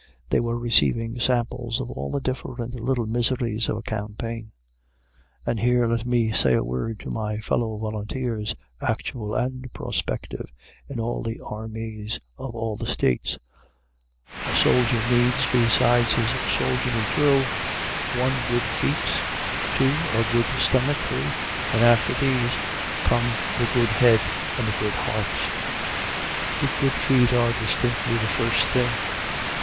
They were receiving samples of all the different little miseries of a campaign. And here let me say a word to my fellow volunteers, actual and prospective, in all the armies of all the States: A soldier needs, besides his soldierly drill, I. Good Feet. II. A good Stomach. III. And after these, come the good Head and the good Heart. But Good Feet are distinctly the first thing.